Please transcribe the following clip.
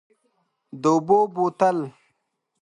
د اوبو بوتل،